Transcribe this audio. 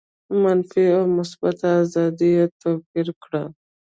منفي او مثبته آزادي یې توپیر کړه.